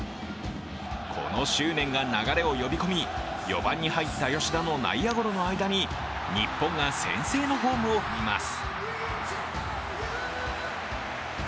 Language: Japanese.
この執念が流れを呼び込み、４番に入った吉田の内野ゴロの間に日本が先制のホームを踏みます。